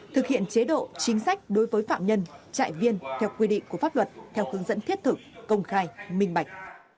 thực hiện chế độ chính sách đối với phạm nhân trại viên theo quy định của pháp luật theo hướng dẫn thiết thực công khai minh bạch